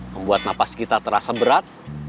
membuat napas kita terasa berat